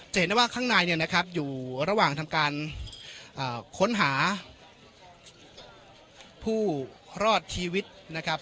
เห็นได้ว่าข้างในเนี่ยนะครับอยู่ระหว่างทำการค้นหาผู้รอดชีวิตนะครับ